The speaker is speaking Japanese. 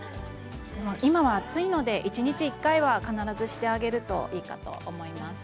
今は暑いので一日１回は必ずやってあげるといいかと思います。